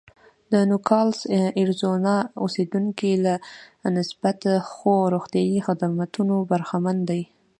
د نوګالس اریزونا اوسېدونکي له نسبتا ښو روغتیايي خدمتونو برخمن دي.